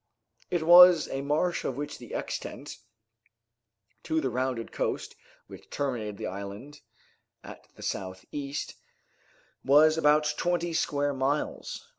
It was a marsh of which the extent, to the rounded coast which terminated the island at the southeast, was about twenty square miles.